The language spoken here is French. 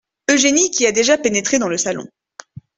Eugénie qui a déjà pénétré dans le salon.